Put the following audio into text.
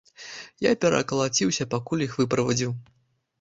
Я перакалаціўся, пакуль іх выправадзіў.